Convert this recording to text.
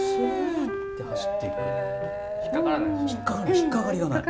引っ掛からない。